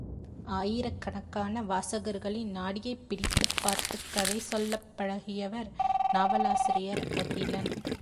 ஆயிரக் கணக்கான வாசகர்களின் நாடியைப் பிடித்துப் பார்த்து கதை சொல்லப் பழகியவர் நாவலாசிரியர் அகிலன்.